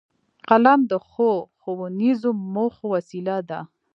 قلم د ښو ښوونیزو موخو وسیله ده